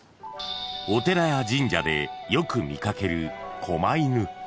［お寺や神社でよく見掛けるこま犬］